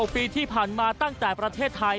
ปีที่ผ่านมาตั้งแต่ประเทศไทย